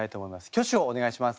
挙手をお願いします。